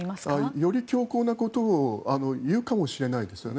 より強硬なことを言うかもしれないですよね。